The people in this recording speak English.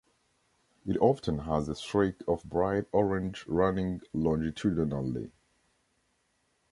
It often has a streak of bright orange running longitudinally.